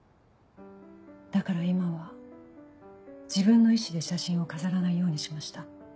だから今は自分の意志で写真を飾らないようにしました。